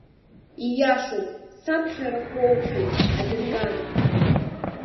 Ииашоуп, саԥхьа рахә уоухьеит, адырган!